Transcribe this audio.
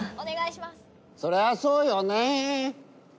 そりゃそうよね。